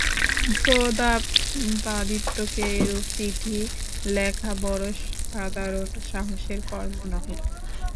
প্রতাপাদিত্যকে এরূপ চিঠি লেখা বড়ো সাধারণ সাহসের কর্ম নহে।